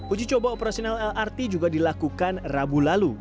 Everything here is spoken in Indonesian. uji coba operasional lrt juga dilakukan rabu lalu